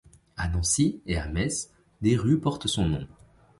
À Nancy et à Metz des rues portent son nom.